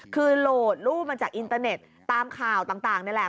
คือโหลดรูปมาจากอินเตอร์เน็ตตามข่าวต่างนี่แหละ